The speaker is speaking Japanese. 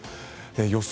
予想